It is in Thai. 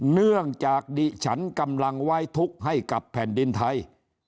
เนื่องจากดิฉันกำลังไว้ทุกข์ให้กับแผ่นดินไทย